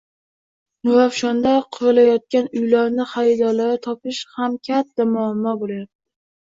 Nurafshonda qurilayotgan uylarni xaridorini topish ham katta muammo boʻlayapti.